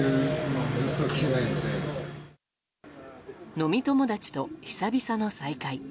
飲み友達と、久々の再会。